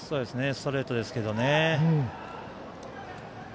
ストレートですけどね。